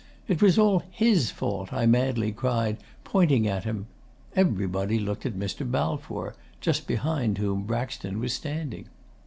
"It was all HIS fault," I madly cried, pointing at him. Everybody looked at Mr. Balfour, just behind whom Braxton was standing.